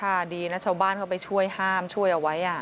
ดีนะชาวบ้านเข้าไปช่วยห้ามช่วยเอาไว้